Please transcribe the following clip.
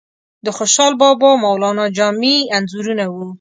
د خوشحال بابا، مولانا جامی انځورونه وو.